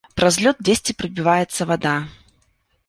Праз лёд дзесьці прабіваецца вада.